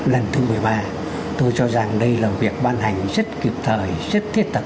lần thứ một mươi ba tôi cho rằng đây là việc ban hành rất kiệp thời rất thiết tập